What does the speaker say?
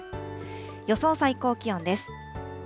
予想最高気温です。